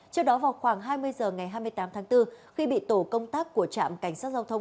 trước đó vào khoảng hai mươi h ngày hai mươi tám tháng bốn khi bị tổ công tác của trạm cảnh sát giao thông